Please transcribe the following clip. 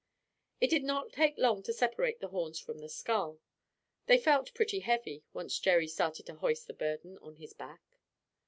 It did not take long to separate the horns from the skull. They felt pretty heavy, once Jerry started to hoist the burden on his back.